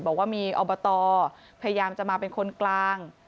บอกว่ามีอบตพยายามจะมาเป็นคนกลาง